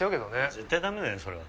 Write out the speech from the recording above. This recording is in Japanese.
絶対ダメだよそれは。